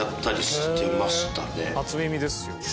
初耳ですよ。